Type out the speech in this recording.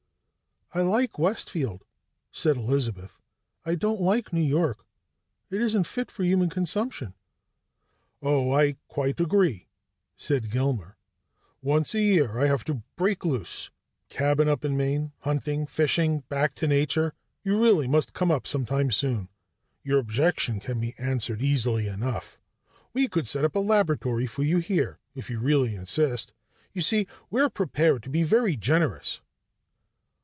"I like Westfield," said Elizabeth. "I don't like New York. It isn't fit for human consumption." "Oh, I quite agree," said Gilmer. "Once a year I have to break loose cabin up in Maine, hunting, fishing, back to Nature you really must come up sometime soon. Your objection can be answered easily enough. We could set up a laboratory for you here, if you really insist. You see, we're prepared to be very generous."